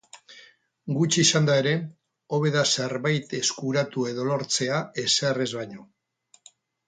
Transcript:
Gutxi izanda ere, hobe da zerbait eskuratu edo lortzea, ezer ez baino.